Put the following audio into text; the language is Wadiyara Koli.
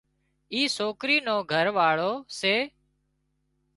اي سوڪرِي نو گھر واۯو سي